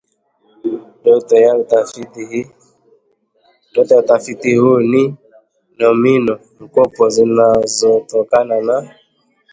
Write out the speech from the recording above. Data ya utafiti huu ni nomino-mkopo zinazotokana na